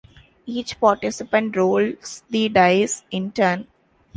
Each participant rolls the dice in turn.